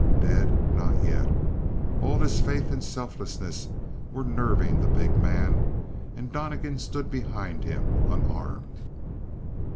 Dead? Not yet. All his faith and selflessness were nerving the big man. And Donnegan stood behind him, unarmed!